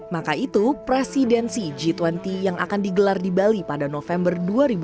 maka itu presidensi g dua puluh yang akan digelar di bali pada november dua ribu dua puluh